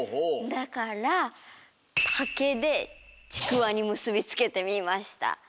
だからたけでちくわにむすびつけてみました。